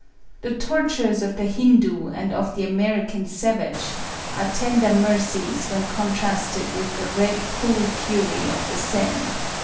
The tortures of the Hindoo and of the American savage, are tender mercies when contrasted with the " red fool fury of the Seine."